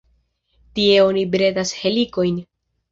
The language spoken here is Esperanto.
Tie oni bredas helikojn.